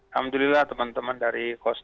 alhamdulillah teman teman dari kos